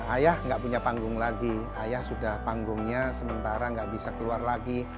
ayah nggak punya panggung lagi ayah sudah panggungnya sementara nggak bisa keluar lagi